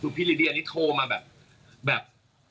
คือพี่ลิดี้อันนี้โทรมาแบบ